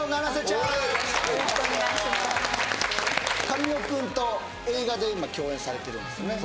神尾くんと映画で今共演されてるんですね